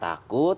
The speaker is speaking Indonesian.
nggak usah takut